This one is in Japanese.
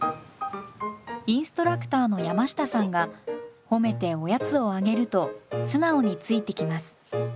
インストラクターの山下さんが褒めておやつをあげると素直についてきます。